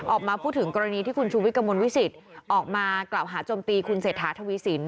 ออกมาพูดถึงกรณีที่คุณชูวิทย์กระมวลวิสิตออกมากล่าวหาจมตีคุณเศรษฐาทวีสิน